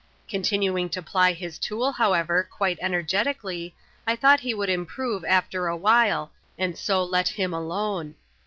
Coih tinuing to ply his tool, however, quite energetically, I thought he would improve after a while, and so let him alone.